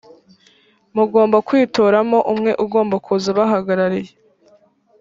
mugomba kwitoramo umwe ugomba kuza abahagarariye